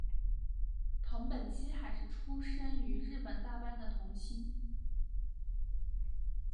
藤本七海是出身于日本大阪的童星。